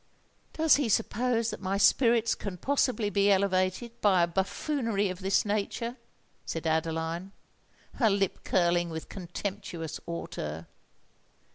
"Does he suppose that my spirits can possibly be elevated by a buffoonery of this nature?" said Adeline, her lip curling with contemptuous hauteur.